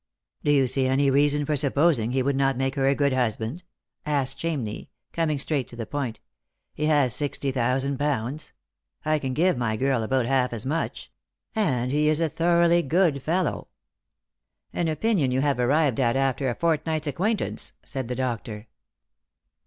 " Do you see any reason for supposing he would not make her a good husband ?" asked Chamney, coming straight to the point. " He has sixty thousand pounds. I can give my girl about half as much ; and he is a thoroughly good fellow." " An opinion you have arrived at after a fortnight's acquaint ance," said the doctor.